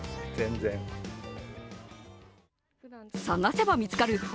探せば見つかる